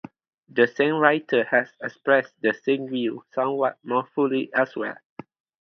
The same writer has expressed the same view somewhat more fully elsewhere.